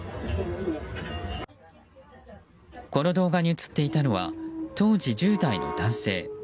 この動画に映っていたのは当時１０代の男性。